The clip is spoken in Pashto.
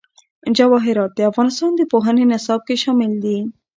جواهرات د افغانستان د پوهنې نصاب کې شامل دي.